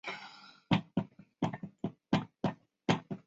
它坐落在拜占庭皇帝在塞萨洛尼基皇宫遗址顶部。